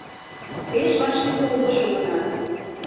— Пеш вашке толын шуынат.